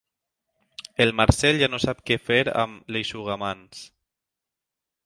El Marcel ja no sap què fer amb l'eixugamans.